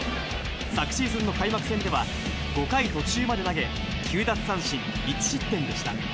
昨シーズンの開幕戦では、５回途中まで投げ、９奪三振１失点でした。